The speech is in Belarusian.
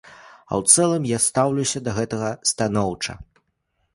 А ў цэлым я стаўлюся да гэтага станоўча.